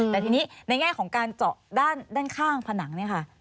แต่ทีนี้ในแง่ของการเจาะด้านข้างผนังเนี่ยค่ะ